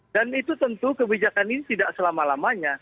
dan itu tentu kebijakan ini tidak selama lamanya